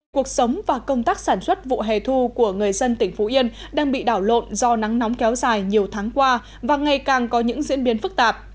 cuộc sống và công tác sản xuất vụ hè thu của người dân tỉnh phú yên đang bị đảo lộn do nắng nóng kéo dài nhiều tháng qua và ngày càng có những diễn biến phức tạp